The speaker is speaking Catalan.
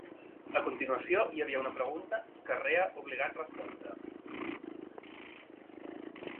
A continuació hi havia una pregunta que rea obligat respondre.